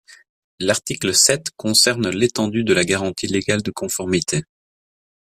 L’article sept concerne l’étendue de la garantie légale de conformité.